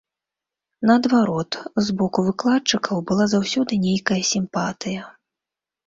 Наадварот, з боку выкладчыкаў была заўсёды нейкая сімпатыя.